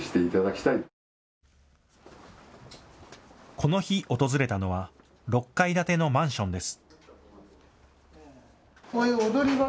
この日、訪れたのは６階建てのマンションです。